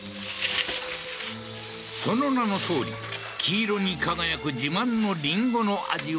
その名のとおり黄色に輝く自慢のりんごの味は？